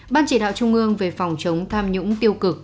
ban chỉ đạo trung ương về phòng chống tham nhũng tiêu cực